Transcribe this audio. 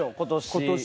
今年。